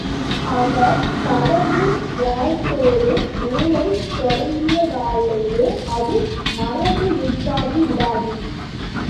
அவர் கடவுள் வாழ்த்தோடு நூலைத், தொடங்கியதாலேயே அது மரபு என்றாகிவிடாது.